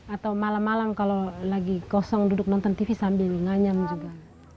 atau malam malam kalau lagi kosong duduk nonton tv sambil nganyam juga